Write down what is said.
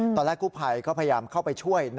ตอนแรกกู้ภัยก็พยายามเข้าไปช่วย